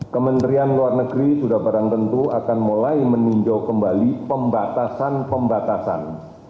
kementerian luar negeri sudah barang tentu akan mulai meninjau kembali pembatasan pembatasan